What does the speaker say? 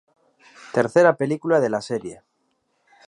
Tercera película de la serie.